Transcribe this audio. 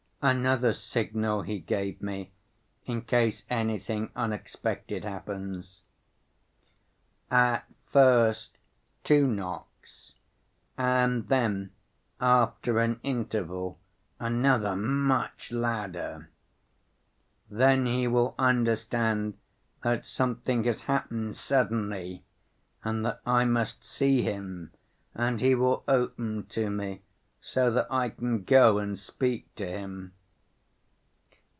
Another signal he gave me in case anything unexpected happens. At first, two knocks, and then, after an interval, another much louder. Then he will understand that something has happened suddenly and that I must see him, and he will open to me so that I can go and speak to him.